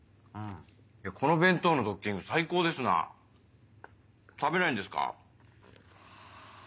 この弁当のドッキング最高ですな食べないんですか？